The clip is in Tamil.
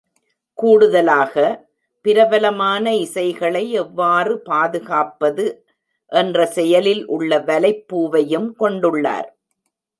கூடுதலாக, பிரபலமான இசைகளை எவ்வாறு பாதுகாப்பது என்ற செயலில் உள்ள வலைப்பூவையும் கொண்டுள்ளார்.